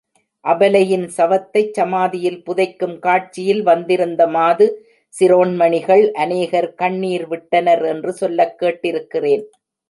அபலையின் சவத்தைச் சமாதியில் புதைக்கும் காட்சியில், வந்திருந்த மாது சிரோமணிகள் அநேகர் கண்ணீர் விட்டனர் என்று சொல்லக் கேட்டிருக்கிறேன்.